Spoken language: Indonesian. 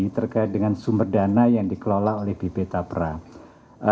terkait dengan sumber dana yang dikelola oleh bp tapra